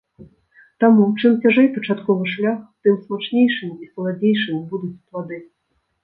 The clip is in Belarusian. Таму, чым цяжэй пачатковы шлях, тым смачнейшымі і саладзейшымі будуць плады.